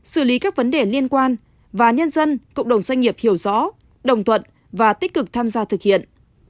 xử lý các vấn đề liên quan và nhân dân cộng đồng doanh nghiệp hiểu rõ đồng thuận và tích cực tham gia thực hiện